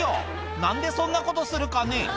なんでそんなことするかね。